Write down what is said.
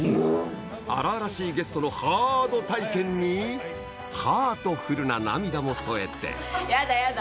荒々しいゲストのハード体験にハートフルな涙も添えてやだやだ